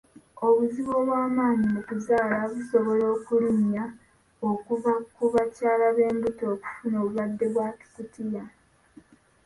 Obuzibu obw'amaanyi mu kuzaala busobola okulinnya okuva ku bakyala b'embuto okufuna obulwadde bwa Kikutiya